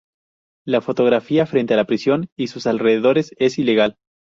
La fotografía frente a la prisión y sus alrededores es ilegal.